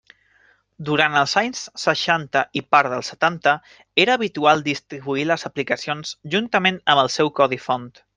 Durant els anys seixanta i part dels setanta era habitual distribuir les aplicacions juntament amb el seu codi font.